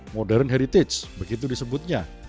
modern heritage begitu disebutnya